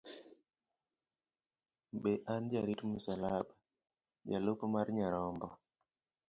Be an jarit msalaba, jalup mar Nyarombo?